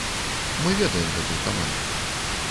Мы ведаем гэтую каманду.